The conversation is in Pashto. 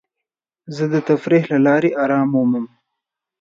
زه د تفریح له لارې ارام مومم.